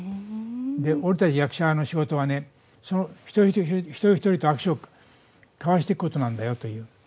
で、俺たち役者の仕事はねその一人一人と握手を交わしていくことなんだよという。